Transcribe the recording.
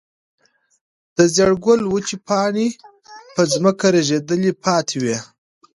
د زېړ ګل وچې پاڼې په ځمکه رژېدلې پرتې وې.